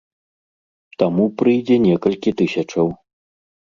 Таму прыйдзе некалькі тысячаў.